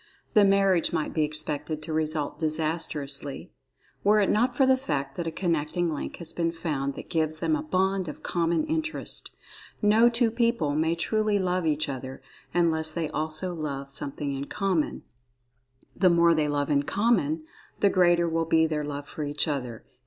The marriage might be expected to result disastrously, were it not for the fact that a connecting link has been found that gives them a bond of common interest. No two people may truly love each other, unless they also love something in common—the more they love in common, the greater will be their love for each other.